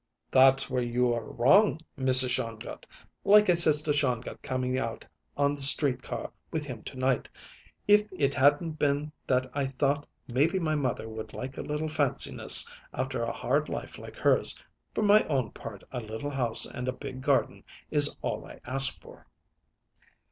"That's where you're wrong, Mrs. Shongut. Like I says to Shongut coming out on the street car with him to night, if it hadn't been that I thought maybe my mother would like a little fanciness after a hard life like hers, for my own part a little house and a big garden is all I ask for."